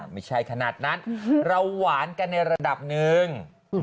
ไม่ใช่ขนาดนั้นเราหวานกันในระดับหนึ่ง